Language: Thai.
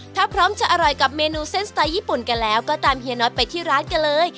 ถ้าพร้อมจะอร่อยกับเมนูเส้นสไตล์ญี่ปุ่นกันแล้วก็ตามเฮียน็อตไปที่ร้านกันเลย